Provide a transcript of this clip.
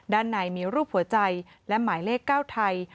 ด้านในมีรูปหัวใจและหมายเลข๙ไทย